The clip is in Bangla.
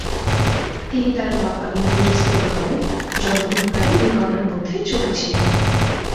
তিনি তাঁর বাবা নির্মল জোসেফের ঘরে জন্মগ্রহণকারী দুই কন্যার মধ্যে ছোট ছিলেন।